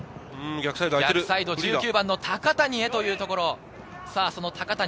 逆サイド、空いている、高谷へというところ。